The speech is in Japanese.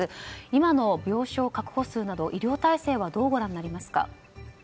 今の病床確保数など医療体制はどうご覧になりますか。